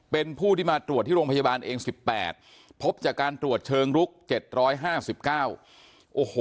เป็นผู้ที่มาตรวจที่โรงพยาบาลเอง๑๘พบจากการตรวจเชิงลุก๗๕๙โอ้โห